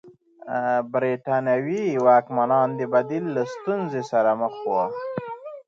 برېټانوي واکمنان د بدیل له ستونزې سره مخ وو.